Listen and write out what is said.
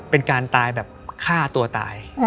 เป็นการตายแบบฆ่าตัวตาย